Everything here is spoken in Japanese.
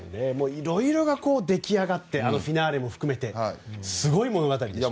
いろいろ出来上がってフィナーレも含めてすごい物語でした。